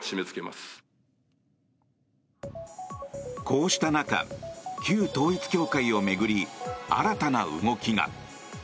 こうした中旧統一教会を巡り新たな動きが。